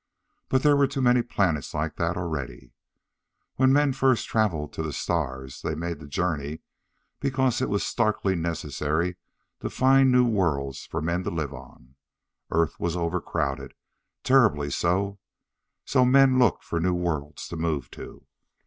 But there were too many planets like that already. When men first traveled to the stars they made the journey because it was starkly necessary to find new worlds for men to live on. Earth was over crowded terribly so. So men looked for new worlds to move to.